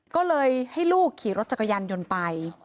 ก็เลยให้ลูกขี่รถจักรยานยนต์ไป